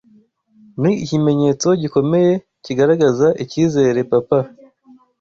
ni ikimenyetso gikomeye kigaragaza icyizere Papa